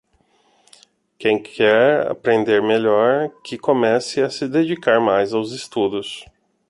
quem quer aprender melhor que comesse a se dedicar mais aos estudos